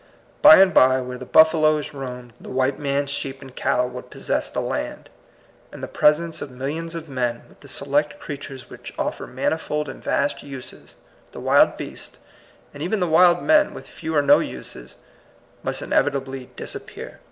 By and by, where the buffaloes roamed, the white man's sheep and cattle would possess the land. In the presence of millions of men, with the select crea tures which offered manifold and vast uses, the wild beasts, and even the wild men, with few or no uses, must inevitably dis appear.